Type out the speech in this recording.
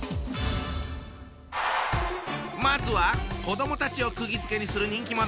まずは子どもたちをくぎづけにする人気者。